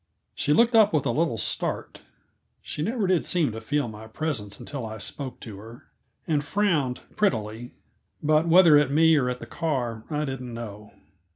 She looked up with a little start she never did seem to feel my presence until I spoke to her and frowned prettily; but whether at me or at the car, I didn't know.